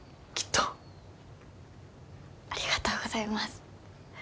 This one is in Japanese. ありがとうございます。